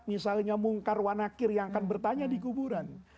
misalnya mungkar wanakir yang akan bertanya di kuburan